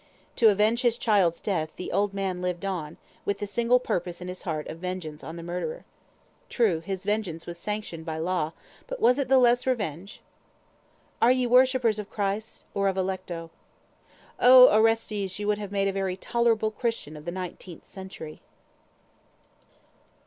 To avenge his child's death, the old man lived on; with the single purpose in his heart of vengeance on the murderer. True, his vengeance was sanctioned by law, but was it the less revenge? Are we worshippers of Christ? or of Alecto? Oh! Orestes! you would have made a very tolerable Christian of the nineteenth century!